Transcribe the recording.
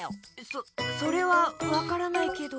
そそれはわからないけど。